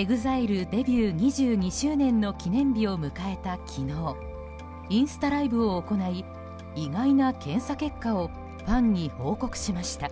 ＥＸＩＬＥデビュー２２周年の記念日を迎えた昨日インスタライブを行い意外な検査結果をファンに報告しました。